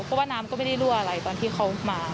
เพราะว่าน้ำก็ไม่ได้รั่วอะไรตอนที่เขามา